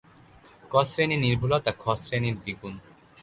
ক শ্রেনির নির্ভুলতা খ শ্রেণির দ্বিগুন।